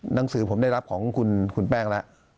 หนังสือผมได้รับของคุณแป้งแล้ว